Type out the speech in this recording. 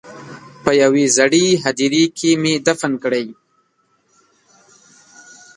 په یوې زړې هدیرې کې مې دفن کړې.